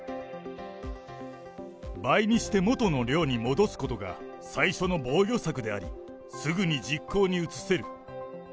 倍にして元の量に戻すことが、最初の防御策であり、すぐに実行に移せる。